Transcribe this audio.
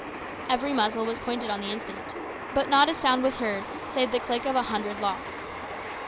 Every muzzle was pointed on the instant, but not a sound was heard save the click of a hundred locks.